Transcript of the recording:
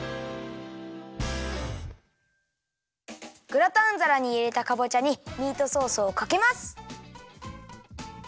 グラタンざらにいれたかぼちゃにミートソースをかけます。